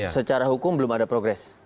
secara hukum belum ada progres